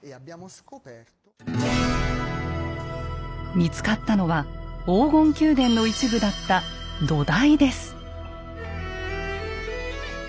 見つかったのは黄金宮殿の一部だった「土台」です。